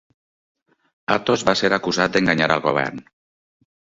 Atos va ser acusat d'enganyar al govern.